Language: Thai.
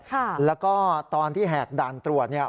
ค่ะแล้วก็ตอนที่แหกด่านตรวจเนี่ย